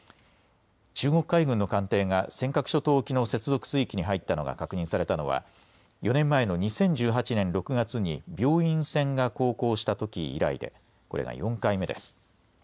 中国海軍の艦艇が尖閣諸島沖の接続水域に入ったのが確認されたのは４年前の２０１８年６月に病院船が航行したとき以来でこれが４回目です。